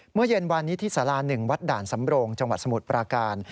เมื่อเย็นวานนี้ที่สารา๑วัดด่านสำโรงจังหวัดสมุทรปราการ